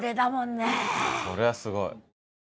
そりゃすごい。